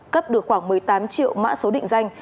cấp được khoảng một mươi tám triệu mã số định danh